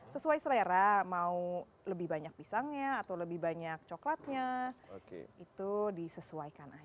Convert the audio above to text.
sesuai selera mau lebih banyak pisangnya atau lebih banyak coklatnya itu disesuaikan aja